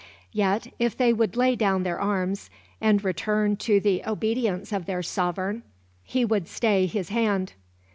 Yet if they would lay down their arms, and return to the obedience of their sovereign, he would stay his hand.